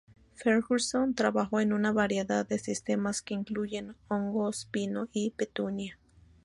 Ferguson trabajó en una variedad de sistemas que incluyen Hongos, Pino y Petunia.